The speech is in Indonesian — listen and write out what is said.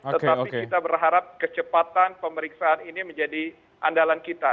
tetapi kita berharap kecepatan pemeriksaan ini menjadi andalan kita